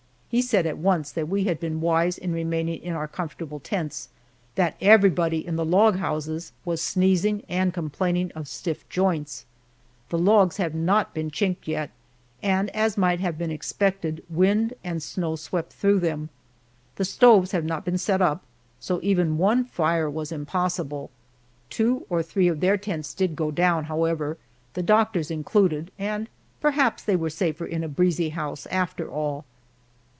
He said at once that we had been wise in remaining in our comfortable tents, that everybody in the log houses was sneezing and complaining of stiff joints. The logs have not been chinked yet, and, as might have been expected, wind and snow swept through them. The stoves have not been set up, so even one fire was impossible. Two or three of their tents did go down, however, the doctor's included, and perhaps they were safer in a breezy house, after all.